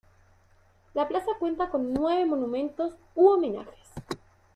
La plaza cuenta con nueve monumentos u homenajes.